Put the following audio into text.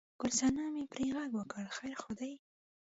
ګل صنمې پرې غږ وکړ: خیر خو دی؟